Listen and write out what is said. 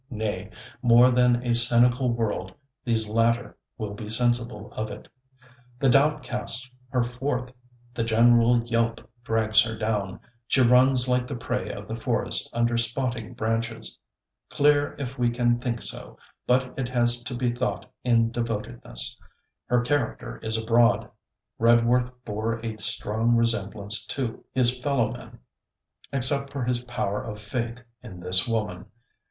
Nay, more than a cynical world, these latter will be sensible of it. The doubt casts her forth, the general yelp drags her down; she runs like the prey of the forest under spotting branches; clear if we can think so, but it has to be thought in devotedness: her character is abroad. Redworth bore a strong resemblance to, his fellowmen, except for his power of faith in this woman.